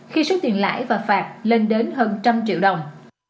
khi số tiền lãi và phạt lên đến hơn trăm triệu đồng